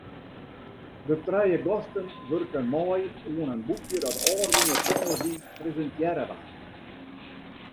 De trije gasten wurken mei oan in boekje dat ôfrûne tongersdei presintearre waard.